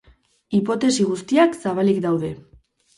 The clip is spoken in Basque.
Hipotesi guztiak zabalik daude.